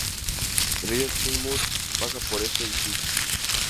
El río Shing Mun pasa por este distrito.